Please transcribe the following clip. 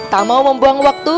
tak mau membuang waktu